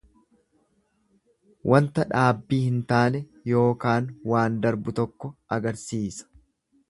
Wanta dhaabbii hin taane yookaan waan darbu tokko agarsiisa.